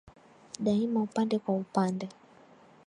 Daima upande kwa upande